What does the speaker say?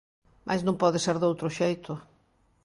Mais non pode ser doutro xeito.